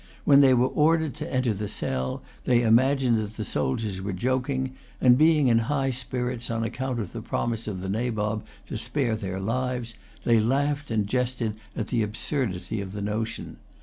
When they were ordered to enter the cell, they imagined that the soldiers were joking; and, being in high spirits on account of the promise of the Nabob to spare their lives, they laughed and jested at the absurdity of the notion.